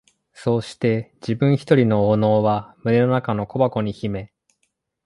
そうして自分ひとりの懊悩は胸の中の小箱に秘め、